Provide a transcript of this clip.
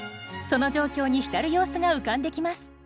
その状況に浸る様子が浮かんできます。